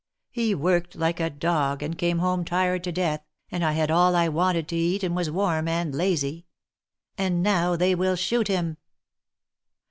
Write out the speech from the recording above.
He worked like a dog, and came home tired to death, and I had all I wanted to eat and was warm and lazy. And now they will shoot him